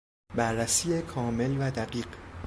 بررسی کامل و دقیق